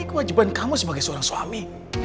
kewajiban kamu sebagai seorang suami